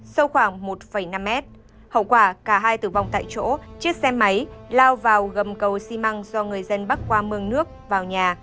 sâu khoảng một năm mét hậu quả cả hai tử vong tại chỗ chiếc xe máy lao vào gầm cầu xi măng do người dân bắc qua mương nước vào nhà